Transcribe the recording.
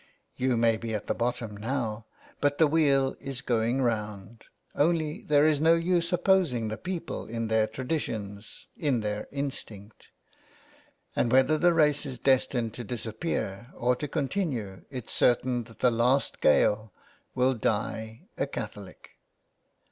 You may be at the bottom now, but the wheel is going round, only there is no use opposing the people in their traditions, in their instinct. .. And whether the race is destined to disappear or to continue it's certain that the last Gael will die a Catholic."